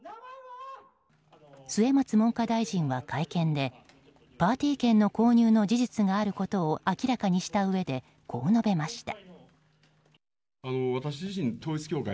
末松文科大臣は会見でパーティー券の購入の事実があることを明らかにしたうえでこう述べました。